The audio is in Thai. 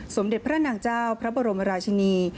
สมเด็จพระนางเจ้าพระบรมราชินี